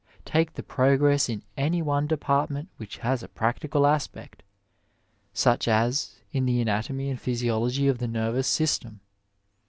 Take the progress in any one department which has a practical aspect, such as, in the anatomy and physiology of the nervous system.